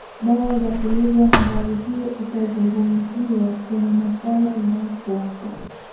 dawa za kulevya Habari hiyo itazungumziwa kwenye makala inayofuata